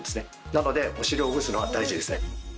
なのでお尻をほぐすのは大事ですね。